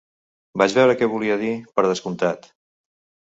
Vaig veure què volia dir, per descomptat.